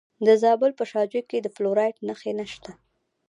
د زابل په شاجوی کې د فلورایټ نښې شته.